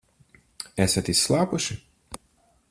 Esat izslāpuši?